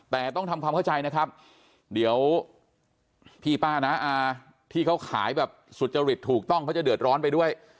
แต่ต้องทำความเข้าใจนะครับเดี๋ยวพี่ป้าน้าอาที่เขาขายแบบสุจริตถูกต้องเขาจะเดือดร้อนไปด้วย